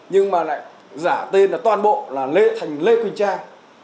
nhưng mà lại giả tên là toàn bộ là lê thành lê quỳnh trang